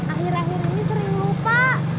akhir akhir ini sering lupa